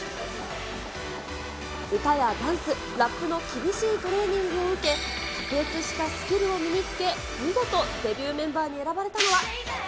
歌やダンス、ラップの厳しいトレーニングを受け、卓越したスキルを身につけ、見事デビューメンバーに選ばれたのは。